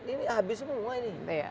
ini habis semua ini